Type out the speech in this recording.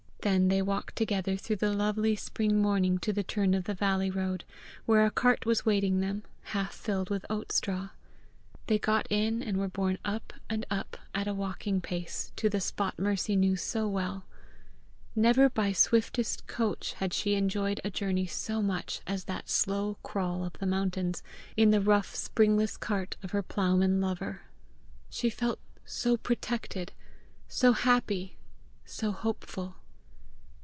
Then they walked together through the lovely spring morning to the turn of the valley road, where a cart was waiting them, half filled with oat straw. They got in, and were borne up and up at a walking pace to the spot Mercy knew so well. Never by swiftest coach had she enjoyed a journey so much as that slow crawl up the mountains in the rough springless cart of her ploughman lover! She felt so protected, so happy, so hopeful.